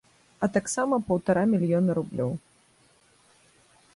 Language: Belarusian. А таксама паўтара мільёна рублёў.